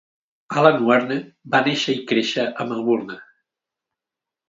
Alan Wearne va néixer i créixer a Melbourne.